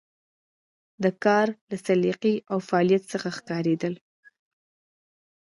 د کار له سلیقې او فعالیت څخه ښکارېدله.